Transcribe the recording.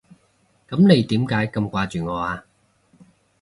噉你點解咁掛住我啊？